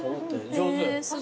上手。